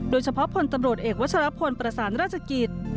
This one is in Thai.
โดยเฉพาะพลตำรวจเอกวัชลพลประสานราชกิจ